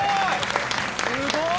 すごーい！